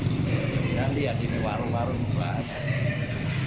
kalian lihat ini warung warung luar